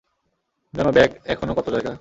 জানো ব্যাগ এখনও কত জায়গা!